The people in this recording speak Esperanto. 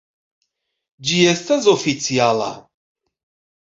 Ĝi estas oficiala!